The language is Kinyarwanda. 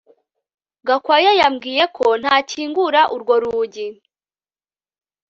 Gakwaya yambwiye ko ntakingura urwo rugi